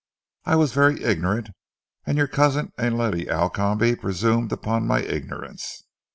"I was very ignorant, and your cousin and Lady Alcombe presumed upon my ignorance.